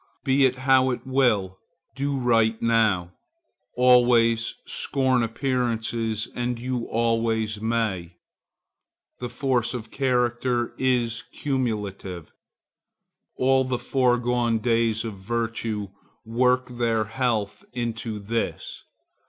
Be it how it will, do right now. Always scorn appearances and you always may. The force of character is cumulative. All the foregone days of virtue work their health into this.